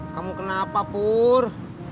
kamu kenapa pur